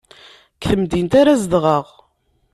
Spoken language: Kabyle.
Deg temdint ara zedɣeɣ.